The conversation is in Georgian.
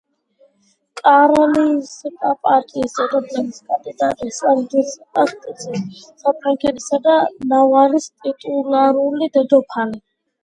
კარლისტთა პარტიის დედოფლობის კანდიდატი ესპანეთის ტახტზე, საფრანგეთისა და ნავარის ტიტულარული დედოფალი.